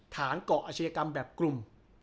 ฐานเกาะอาชญากรรมแบบกลุ่ม